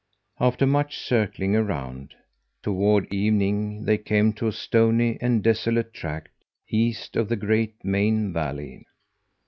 After much circling around, toward evening they came to a stony and desolate tract east of the great main valley.